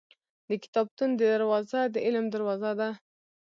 • د کتابتون دروازه د علم دروازه ده.